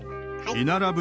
居並ぶ